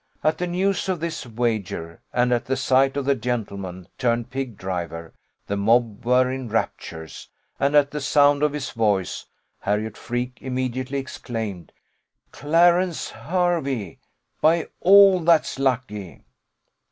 At the news of this wager, and at the sight of the gentleman turned pig driver, the mob were in raptures; and at the sound of his voice, Harriot Freke immediately exclaimed, 'Clarence Hervey! by all that's lucky!